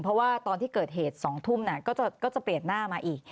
เพราะว่าตอนที่เกิดเหตุ๒ทุ่มก็จะเปลี่ยนหน้ามาอีก